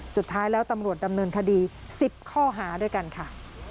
สุดท้ายแล้วตำรวจดำเนินคดี๑๐ข้อหาด้วยกันค่ะ